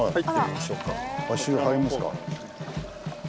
足湯入りますか。